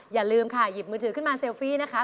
อย่าลืมค่ะหยิบมือถือขึ้นมาเซลฟี่นะคะ